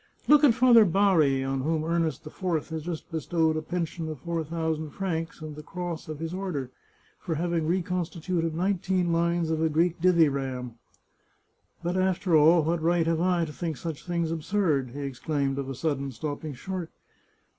" Look at Father Bari, on whom Ernest IV has just bestowed a pen sion of four thousand francs and the cross of his order, for having reconstituted nineteen lines of a Greek dithyramb !" But, after all, what right have I to think such things absurd ?" he exclaimed of a sudden, stopping short.